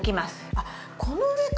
あっこの上か。